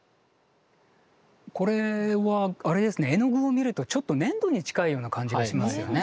絵の具を見るとちょっと粘土に近いような感じがしますよね。